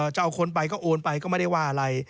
จะเอาคนไปก็โอนไปก็ไม่ได้ว่าอะไร